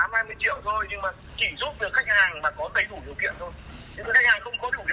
nhưng mà chỉ giúp được khách hàng mà có tấy đủ điều kiện thôi